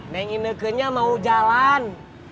neng inekenya mau jalan